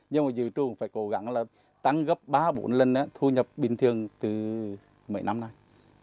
nhưng mà dự trù phải cố gắng là tăng gấp ba bốn lần thu nhập bình thường từ mấy năm nay